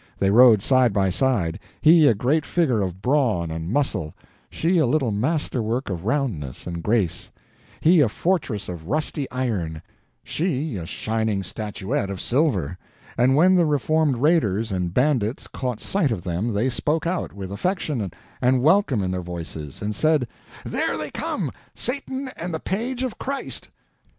They rode side by side, he a great figure of brawn and muscle, she a little masterwork of roundness and grace; he a fortress of rusty iron, she a shining statuette of silver; and when the reformed raiders and bandits caught sight of them they spoke out, with affection and welcome in their voices, and said: "There they come—Satan and the Page of Christ!"